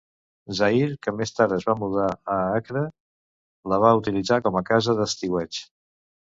Zahir, que més tard es va mudar a Acre, la va utilitzar com a casa d'estiueig.